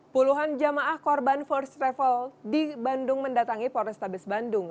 puluhan jamaah korban first travel di bandung mendatangi polrestabes bandung